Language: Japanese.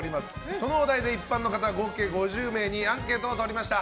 そのお題で一般の方合計５０名にアンケートを取りました。